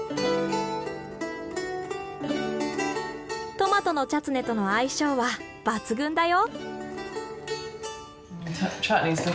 トマトのチャツネとの相性は抜群だよ。